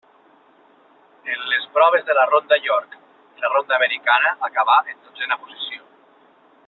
En les proves de la ronda York i la ronda americana acabà en dotzena posició.